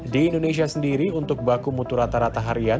di indonesia sendiri untuk baku mutu rata rata harian